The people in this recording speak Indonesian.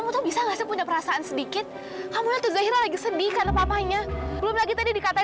mencari bantuan biasa